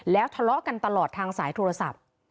แล้วทะเลาะกันตลอดทางสายโทรศัพท์